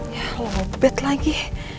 ya lobet lagi